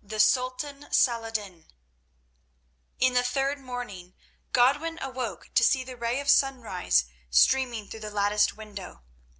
The Sultan Saladin In the third morning Godwin awoke to see the ray of sunrise streaming through the latticed window.